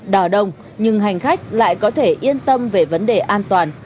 đò đông nhưng hành khách lại có thể yên tâm về vấn đề an toàn